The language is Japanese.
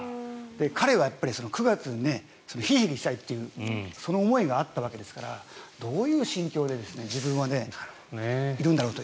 彼は９月にひりひりしたいというその思いがあったわけですからどういう心境で自分はいるんだろうと。